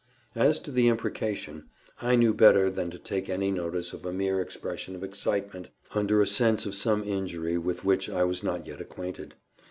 As to the imprecation, I knew better than to take any notice of a mere expression of excitement under a sense of some injury with which I was not yet acquainted.